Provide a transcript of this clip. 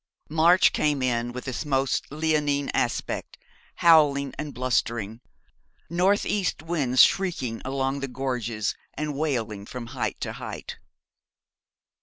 March came in with its most leonine aspect, howling and blustering; north east winds shrieking along the gorges and wailing from height to height.